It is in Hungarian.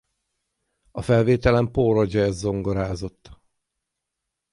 A felvételen Paul Rodgers zongorázott.